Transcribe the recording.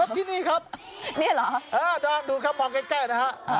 ที่นี่ครับนี่เหรอดูครับมองใกล้นะฮะ